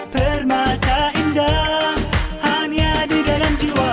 permata indah hanya di dalam jiwa